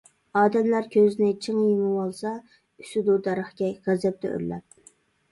ئادەملەر كۆزىنى چىڭ يۇمۇۋالسا، ئۈسىدۇ دەرەخكە غەزەپتە ئۆرلەپ.